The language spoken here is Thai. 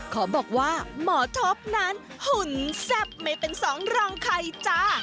ขอบอกว่าหมอท็อปนั้นหุ่นแซ่บไม่เป็นสองรองใครจ้า